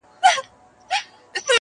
قلا د مېړنو ده څوک به ځي څوک به راځي-